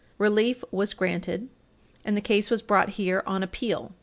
Relief was granted, and the case was brought here on appeal.